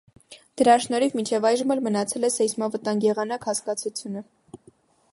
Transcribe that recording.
Դրա շնորհիվ մինչև այժմ էլ մնացել է «սեյսմավտանգ եղանակ» հասկացությունը։